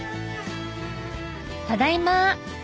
「ただいま！」